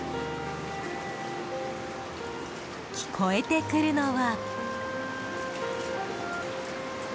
聞こえてくるのは。